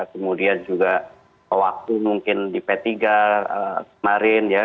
kemudian juga waktu mungkin di p tiga kemarin ya